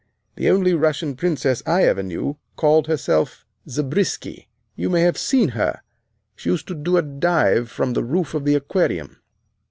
The only Russian princess I ever knew called herself Zabrisky. You may have seen her. She used to do a dive from the roof of the Aquarium."